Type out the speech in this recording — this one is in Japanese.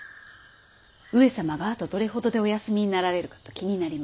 上様があとどれほどでお休みになられるかと気になりまして。